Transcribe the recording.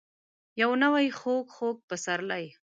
یو نوی خوږ. خوږ پسرلی ،